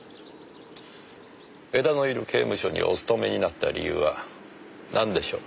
江田のいる刑務所にお勤めになった理由はなんでしょう？